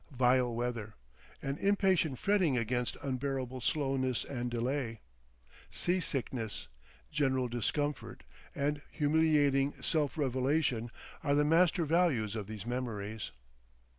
Vile weather, an impatient fretting against unbearable slowness and delay, sea—sickness, general discomfort and humiliating self—revelation are the master values of these memories.